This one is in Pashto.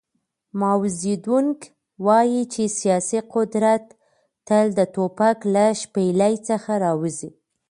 ماو زیډونګ وایي چې سیاسي قدرت تل د ټوپک له شپېلۍ څخه راوځي.